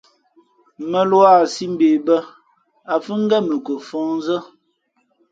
Mᾱluā sī mbe bᾱ, ǎ fhʉ̄ ngén mα ko fαhnzᾱ.